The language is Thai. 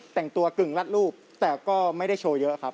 แต่งตัวกึ่งรัดรูปแต่ก็ไม่ได้โชว์เยอะครับ